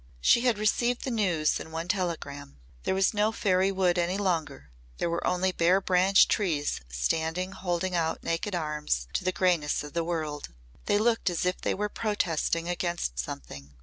She had received the news in one telegram. There was no fairy wood any longer, there were only bare branched trees standing holding out naked arms to the greyness of the world. They looked as if they were protesting against something.